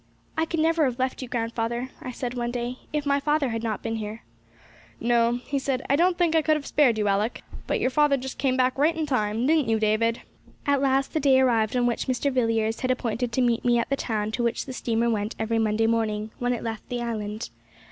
'I could never have left you, grandfather,' I said one day, 'if my father had not been here.' 'No,' he said, 'I don't think I could have spared you, Alick; but your father just came back in right time, didn't you, David?' At last the day arrived on which Mr. Villiers had appointed to meet me at the town to which the steamer went every Monday morning, when it left the island.